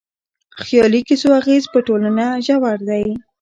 د خيالي کيسو اغېز په ټولنه ژور دی.